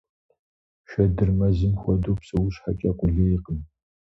Шэдыр мэзым хуэдэу псэущхьэкӀэ къулейкъым.